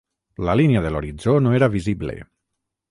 La línia de l'horitzó no era visible.